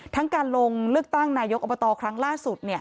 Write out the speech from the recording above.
ทั้งการลงเลือกตั้งนายกอัปตัวครั้งล่าสุด